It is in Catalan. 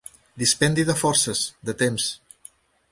Dispendi de forces, de temps.